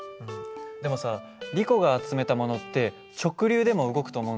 でもさリコが集めたものって直流でも動くと思うんだよね。